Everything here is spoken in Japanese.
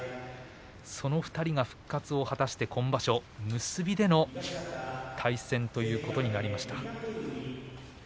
その２人が復活を果たして今場所、結びでの対戦ということになりました。